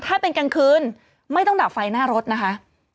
ถ้าเป็นกลางคืนไม่ต้องดับไฟหน้ารถนะคะ